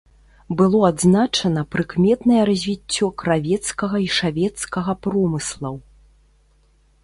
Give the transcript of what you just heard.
Было адзначана прыкметнае развіццё кравецкага і шавецкага промыслаў.